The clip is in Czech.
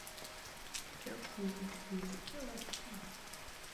Mimo Slovensko působil na klubové úrovni v Rusku a Bulharsku.